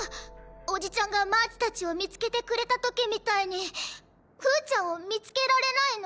おじちゃんがマーチたちをみつけてくれたときみたいにふーちゃんをみつけられないの？